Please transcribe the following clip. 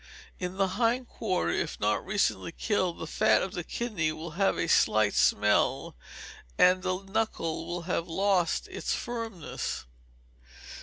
In the hind quarter, if not recently killed, the fat of the kidney will have a slight smell, and the knuckle will have lost its firmness.